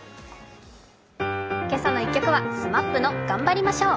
今朝の一曲は、ＳＭＡＰの「がんばりましょう」。